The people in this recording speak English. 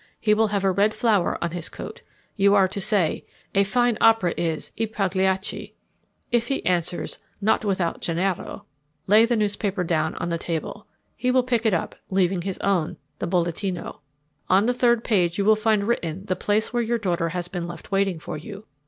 He will have a red flower on his coat. You are to say, "A fine opera is 'I Pagliacci.'" If he answers, "Not without Gennaro," lay the newspaper down on the table. He will pick it up, leaving his own, the Bolletino. On the third page you will find written the place where your daughter has been left waiting for you.